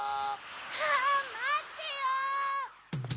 あまってよ！